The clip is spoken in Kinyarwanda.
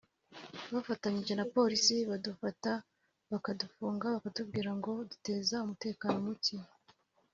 bafatanyije na polisi badufata bakadufunga batubwira go duteza umuteka muke